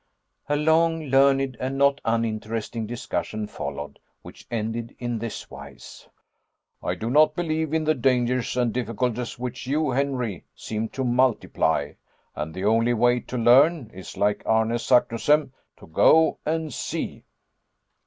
A long, learned and not uninteresting discussion followed, which ended in this wise: "I do not believe in the dangers and difficulties which you, Henry, seem to multiply; and the only way to learn, is like Arne Saknussemm, to go and see."